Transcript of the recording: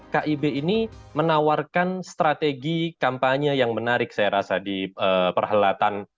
kib ini menawarkan strategi kampanye yang menarik saya rasa di perhelatan